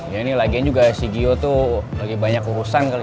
ya ini lagian juga si gio tuh lagi banyak urusan kali ya